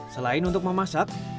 selain untuk memasaknya